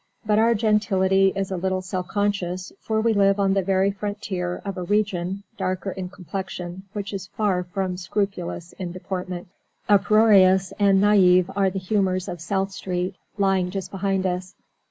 But our gentility is a little self conscious, for we live on the very frontier of a region, darker in complexion, which is far from scrupulous in deportment. Uproarious and naïve are the humours of South Street, lying just behind us.